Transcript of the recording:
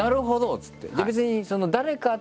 っつって。